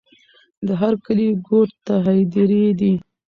د هر کلي ګوټ ته هدېرې دي.